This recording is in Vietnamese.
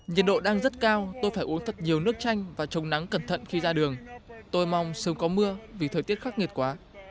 nhiệt độ đang rất cao tôi phải uống thật nhiều nước chanh và trồng nắng cẩn thận khi ra đường tôi mong sớm có mưa vì thời tiết khắc nghiệt quá